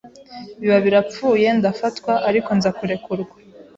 biba birapfuye ndafatwa ariko nza kurekurwa